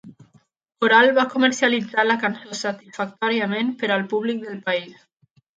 Coral va comercialitzar la cançó satisfactòriament per al públic del país.